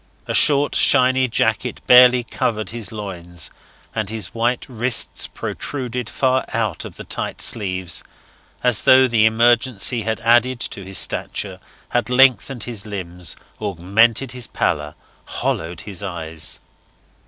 A short shiny jacket barely covered his loins, and his white wrists protruded far out of the tight sleeves, as though the emergency had added to his stature, had lengthened his limbs, augmented his pallor, hollowed his eyes.